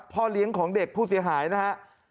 พ่อเลี้ยงของเด็กผู้เสียหายนะฮะ